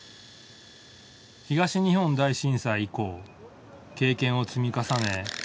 東日本大震災以降経験を積み重ね